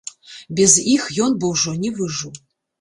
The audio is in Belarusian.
Без іх ён бы ўжо не выжыў.